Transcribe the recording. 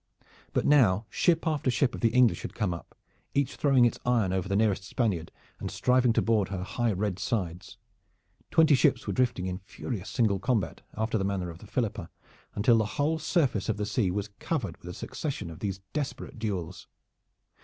But now ship after ship of the English had come up, each throwing its iron over the nearest Spaniard and striving to board her high red sides. Twenty ships were drifting in furious single combat after the manner of the Philippa, until the whole surface of the sea was covered with a succession of these desperate duels.